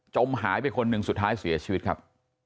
หายไปคนหนึ่งสุดท้ายเสียชีวิตครับ